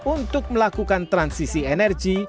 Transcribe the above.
untuk melakukan transisi energi